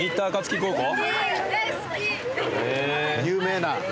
有名な。